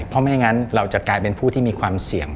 เพราะไม่อย่างนั้นเราจะกลายเป็นผู้ที่มีความเสี่ยง